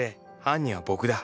犯人は僕だ。